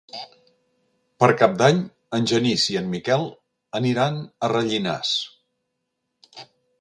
Per Cap d'Any en Genís i en Miquel aniran a Rellinars.